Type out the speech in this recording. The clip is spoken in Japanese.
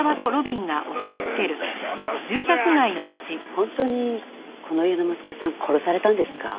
本当にこの家の息子さん殺されたんですか？